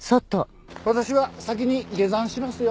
私は先に下山しますよ。